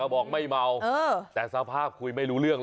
บอกไม่เมาแต่สภาพคุยไม่รู้เรื่อง